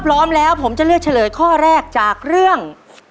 พร้อมแล้วผมจะเลือกเฉลยข้อแรกจากเรื่อง